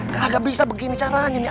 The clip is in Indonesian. gak bisa begini caranya ini